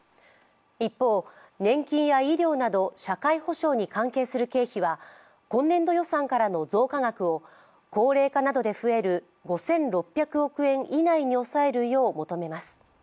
一方、年金や医療など社会保障に関係する経費は今年度予算からの増加額を高齢化などで増える５６００億円以内に抑えるよう求めます。